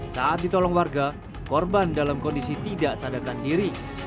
saat ditolong warga korban dalam kondisi tidak sadarkan diri